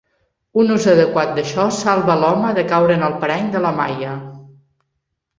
Un ús adequat d'això salva a l'home de caure en el parany de la maia.